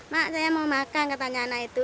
mak saya mau makan tetangga anak itu